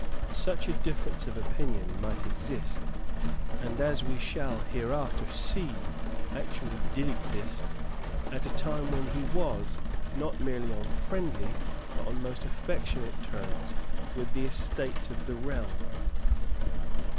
Such a difference of opinion might exist, and, as we shall hereafter see, actually did exist, at a time when he was, not merely on friendly, but on most affectionate terms with the Estates of the Realm.